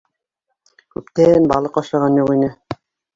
Күптән балыҡ ашаған юҡ ине.